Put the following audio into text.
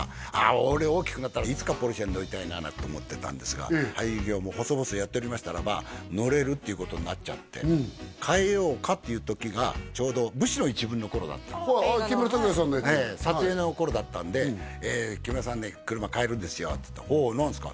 俺大きくなったらななんて思ってたんですが俳優業もほそぼそやっておりましたらば乗れるっていうことになっちゃって換えようかっていう時がちょうど「武士の一分」の頃だったはい木村拓哉さんのやつ撮影の頃だったんで木村さんに車換えるんですよっつったらああ何ですか？